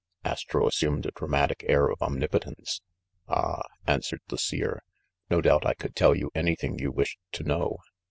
Astro assumed a dramatic air of omnipotence. "Ah!" answered the Seer. "No doubt I could tell you anything you wished to know."